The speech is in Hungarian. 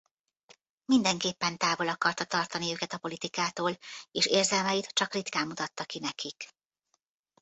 Mindenképpen távol akarta tartani őket a politikától és érzelmeit csak ritkán mutatta ki nekik.